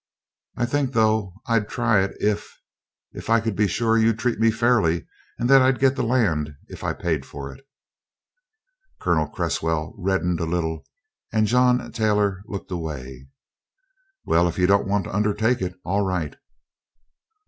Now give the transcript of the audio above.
I think though, I'd try it if if I could be sure you'd treat me fairly, and that I'd get the land if I paid for it." Colonel Cresswell reddened a little, and John Taylor looked away. "Well, if you don't want to undertake it, all right."